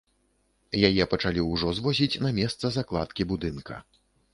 Яе пачалі ўжо звозіць на месца закладкі будынка.